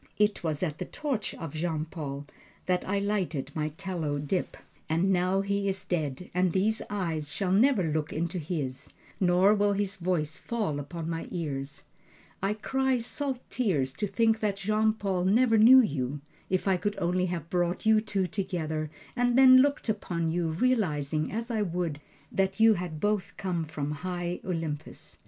It was at the torch of Jean Paul that I lighted my tallow dip, and now he is dead and these eyes shall never look into his, nor will his voice fall upon my ears. I cry salt tears to think that Jean Paul never knew you. If I could only have brought you two together and then looked upon you, realizing, as I would, that you had both come from High Olympus!